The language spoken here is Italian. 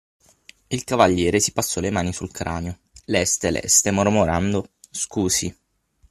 Il cavaliere si passò le mani sul cranio, leste, leste, mormorando: Scusi.